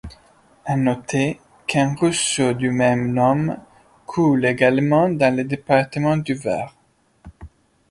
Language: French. À noter qu'un ruisseau du même nom coule également dans le département du Var.